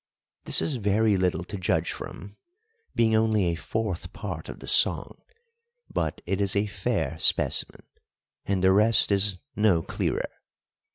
This is very little to judge from, being only a fourth part of the song; but it is a fair specimen, and the rest is no clearer.